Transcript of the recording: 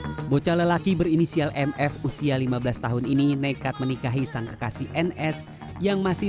hai bocah lelaki berinisial mf usia lima belas tahun ini nekat menikahi sang kekasih ns yang masih